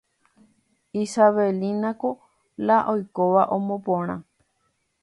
Isabelínako la oikóva omoporã.